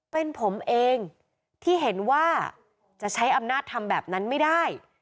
เป็นผมเองที่เห็นว่าจะใช้อำนาจทำแบบนั้นไม่ได้